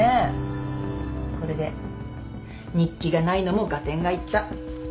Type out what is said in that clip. これで日記がないのも合点がいった。